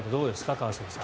川崎さん。